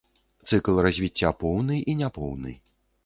Цыкл развіцця поўны і няпоўны.